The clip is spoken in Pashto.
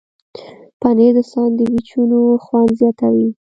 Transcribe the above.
پنېر د ساندویچونو خوند زیاتوي.